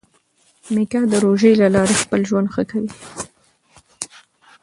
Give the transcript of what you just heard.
میکا د روژې له لارې خپل ژوند ښه کوي.